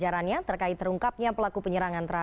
akan dibawakan ke kota jendela